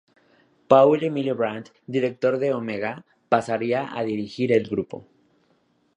Paul-Emile Brandt, director de Omega, pasaría a dirigir el grupo.